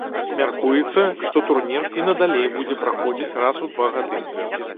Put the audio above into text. Мяркуецца, што турнір і надалей будзе праходзіць раз у два гады.